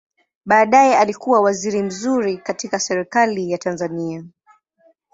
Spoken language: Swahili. Baadaye alikua waziri mzuri katika Serikali ya Tanzania.